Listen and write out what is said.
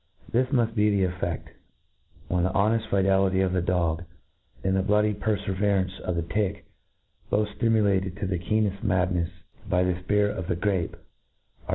This .cauft be the effe^, when the honeft fidelity of tfec dog, and the bloody perfeverance of the 'ticfe, both ftimulatcd to the keeneft madnefs by ^Sj^txt of the grape, are.